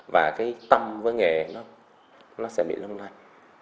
và cái tâm với nghề nó sẽ bị lông lan